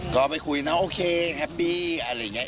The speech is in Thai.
ก็ไปคุยนะโอเคแฮปปี้อะไรอย่างนี้